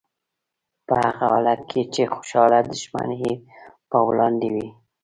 په هغه حالت کې چې خوشحاله دښمن یې په وړاندې وي.